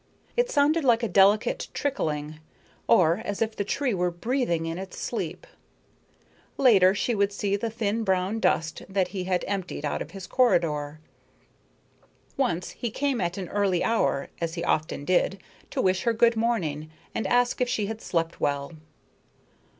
It sounded like a delicate trickling, or as if the tree were breathing in its sleep. Later she would see the thin brown dust that he had emptied out of his corridor. Once he came at an early hour, as he often did, to wish her good morning and ask if she had slept well.